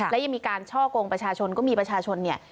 และยังมีการช่อกงประชาชนก็มีประชาชนเนี่ย